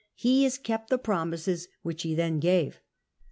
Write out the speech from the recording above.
He has kept the promises which he then gave.